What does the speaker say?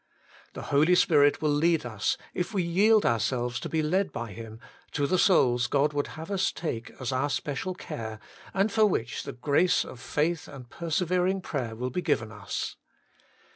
The Holy Spirit will lead us, if we yield ourselves to be led by Him, to the souls God would have us take as our special care, and for which the grace of faith and persevering prayer will be given us.